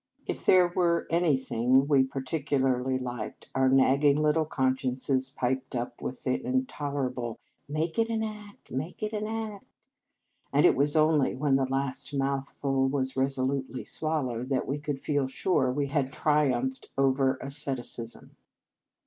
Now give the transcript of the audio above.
If there were anything we particularly liked, our nagging little consciences piped up with their intol erable " Make an act, make an act ;" and it was only when the last mouth ful was resolutely swallowed that we could feel sure we had triumphed over asceticism.